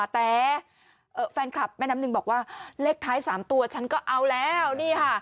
แต่แฟนคลับแม่น้ำหนึ่งบอกว่าเลขท้าย๓ตัวฉันก็เอาแล้วนี่ค่ะ